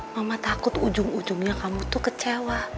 mama takut ujung ujungnya kamu tuh kecewa